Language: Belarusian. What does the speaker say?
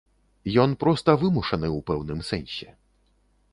Ён проста вымушаны ў пэўным сэнсе.